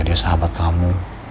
dia sahabat kamu